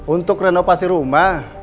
untuk renovasi rumah